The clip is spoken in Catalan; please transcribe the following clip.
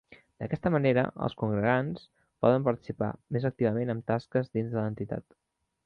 D'aquesta manera els congregants poden participar més activament amb tasques dins de l'entitat.